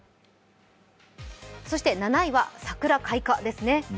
そして７位は桜開花ですね。